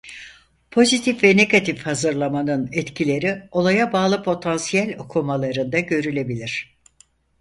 Pozitif ve negatif hazırlamanın etkileri olaya bağlı potansiyel okumalarında görülebilir.